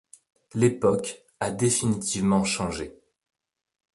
L'époque a définitivement changé.